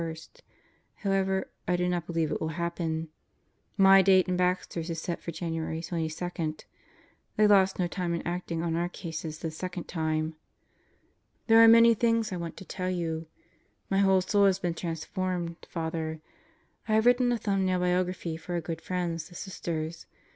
However, I do not believe it will happen. My date and Baxter's is set for January 22. They lost no time in acting on our cases this second time. There are many things I want to tell you. ... My whole soul has been transformed, Father. I have written a thumbnail biography for our good friends, the Sisters.